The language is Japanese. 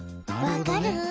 わかる？